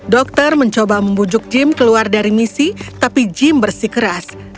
dokter mencoba membujuk jim keluar dari misi tapi jim bersikeras